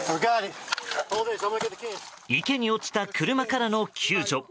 池に落ちた車からの救助。